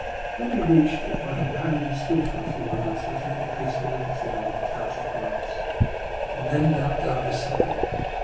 When we reached it, my companion stood for a few moments looking at the peaceful little figure on the couch of grass, and then knelt down beside it.